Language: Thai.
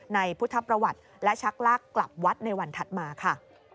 ในพุทธประวัติและชักลากกลับวัดในวันถัดมาค่ะ